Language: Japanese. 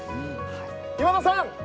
今田さん！